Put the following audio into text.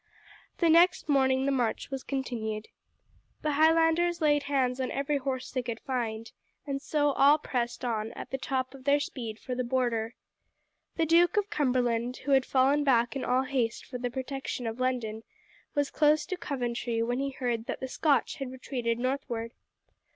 The next morning the march was continued. The Highlanders laid hands on every horse they could find, and so all pressed on at the top of their speed for the border. The Duke of Cumberland, who had fallen back in all haste for the protection of London, was close to Coventry when he heard that the Scotch had retreated northward.